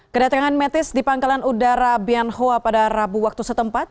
kedatangan mattis di pangkalan udara bian hoa pada rabu waktu setempat